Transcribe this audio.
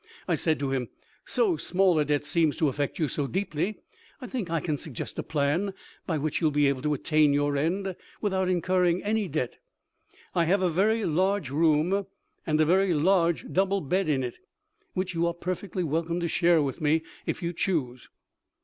I said to him, ' So small a debt seems to affect you so deeply, I think I can suggest a plan by which you will be able to attain your end without incurring any debt. I have a very large room and a very large double bed in it, which you are perfectly welcome to share with me if you choose.'